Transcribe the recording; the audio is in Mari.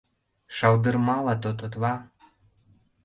Шалдырмала тототла.